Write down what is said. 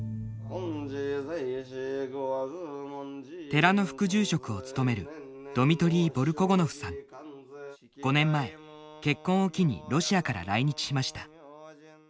寺の副住職を務める５年前結婚を機にロシアから来日しました。